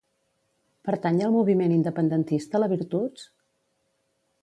Pertany al moviment independentista la Virtuts?